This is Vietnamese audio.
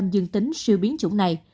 bảy mươi sáu dương tính siêu biến chủng này